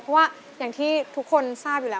เพราะว่าอย่างที่ทุกคนทราบอยู่แล้ว